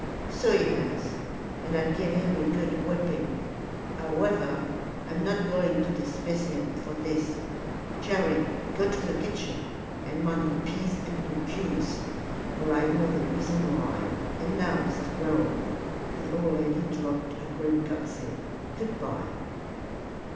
"So he has, and I'd give him a good whipping. However, I am not going to dismiss him for this. Jerry, go to the kitchen and mind your P's and Q's, or I'll know the reason why. And now, Mr. Beryl" the old lady dropped a grim curtsey "good bye."